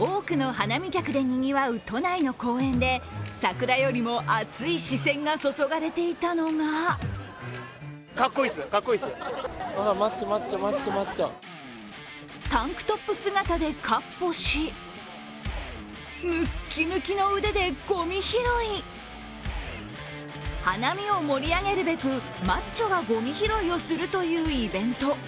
多くの花見客でにぎわう都内の公園で桜よりも熱い視線が注がれていたのがタンクトップ姿でかっぽし、花見を盛り上げるべく、マッチョがごみ拾いするというイベント。